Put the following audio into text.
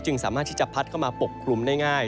สามารถที่จะพัดเข้ามาปกคลุมได้ง่าย